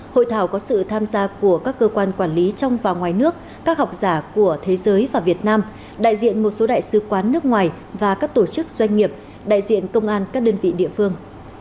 hội thảo có sự tham gia của các cơ quan quản lý trong và ngoài nước các học giả của thế giới và việt nam đại diện một số đại sứ quán nước ngoài và các tổ chức doanh nghiệp đại diện công an các đơn vị địa phương